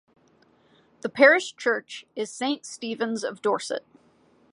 The Parish church is Saint Stephen's of Dorset.